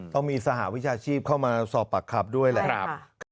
ต้องมีสหวิชาชีพเข้ามาสอบปากคับด้วยเลยครับ